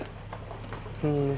pasti kebagian kok